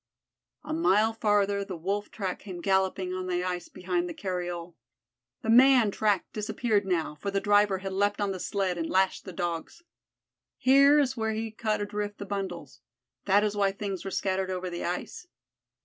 A mile farther the Wolf track came galloping on the ice behind the cariole. The man track disappeared now, for the driver had leaped on the sled and lashed the Dogs. Here is where he cut adrift the bundles. That is why things were scattered over the ice.